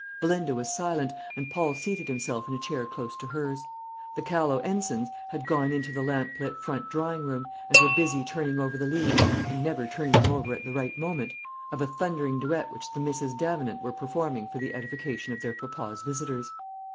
Belinda was silent, and Paul seated himself in a chair close to hers. The callow ensigns had gone into the lamp lit front drawing room, and were busy turning over the leaves and never turning them over at the right moment of a thundering duet which the Misses Davenant were performing for the edification of their papa's visitors.